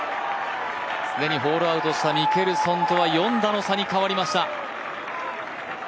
既にホールアウトしたミケルソンとは４打の差になりました。